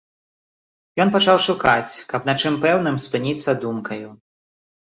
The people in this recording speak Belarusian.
Ён пачаў шукаць, каб на чым пэўным спыніцца думкаю.